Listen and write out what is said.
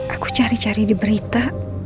aku cari cari di berita